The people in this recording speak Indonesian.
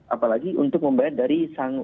apalagi untuk membayar dari